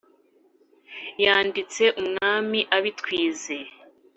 yanditse umwami abit wize,